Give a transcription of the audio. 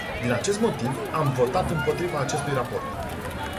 Din acest motiv, am votat împotriva acestui raport.